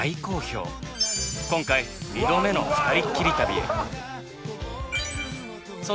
今回２度目のふたりっきり旅へ。